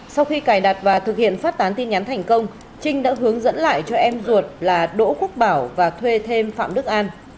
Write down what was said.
sau khi cài đặt và thực hiện phát tán tin nhắn thành công trinh đã hướng dẫn lại cho em ruột là đỗ quốc bảo và thuê thêm phạm đức an